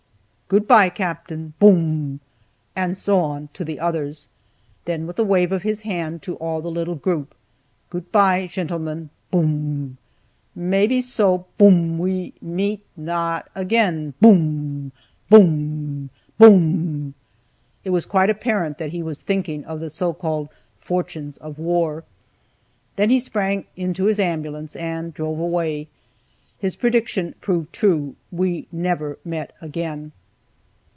"Goot by, Captain;" (Boom!) and so on, to the others. Then, with a wave of his hand to all the little group, "Goot by, shentlemens, all." (Boom!) "Maybe so (Boom!) we meet not again." (Boom, boom, boom!) It was quite apparent that he was thinking of the so called "fortunes of war." Then he sprang into his ambulance, and drove away. His prediction proved true we never met again.